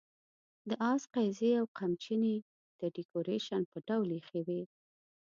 د آس قیضې او قمچینې د ډیکوریشن په ډول اېښې وې.